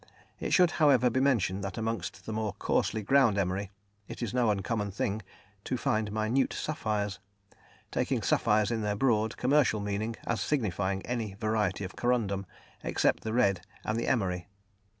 It should, however, be mentioned that amongst the more coarsely ground emery it is no uncommon thing to find minute sapphires, taking sapphires in their broad, commercial meaning, as signifying any variety of corundum, except the red and the emery.